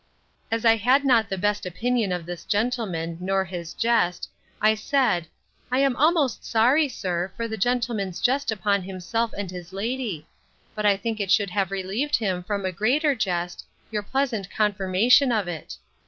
As I had not the best opinion of this gentleman, nor his jest, I said, I am almost sorry, sir, for the gentleman's jest upon himself and his lady; but I think it should have relieved him from a greater jest, your pleasant confirmation of it.